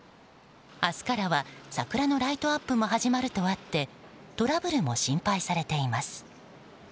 明日からは桜のライトアップも始まるとあってトラブルも心配されています。